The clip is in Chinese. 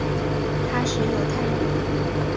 他是犹太人。